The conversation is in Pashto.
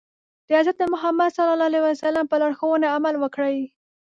د حضرت محمد ص په لارښوونو عمل وکړي.